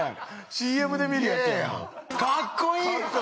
ＣＭで見るやつやんかっこいい！